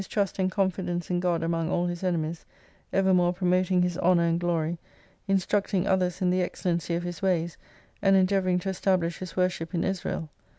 232 trust and confidence in God among all his enemies, evermore promoting His honour and glory, instructing others in the excellency of His ways, and endeavouring to establish His worship in Israel.